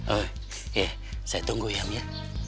oh ya saya tunggu ya mir